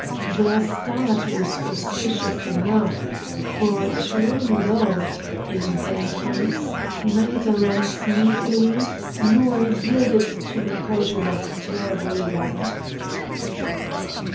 Their start was auspicious enough, for true love, in their case, neither ran smoothly nor yielded to the pressure of terrible events.